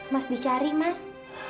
mas dicari mas